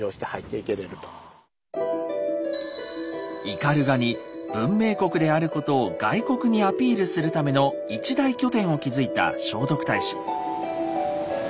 斑鳩に文明国であることを外国にアピールするための一大拠点を築いた聖徳太子。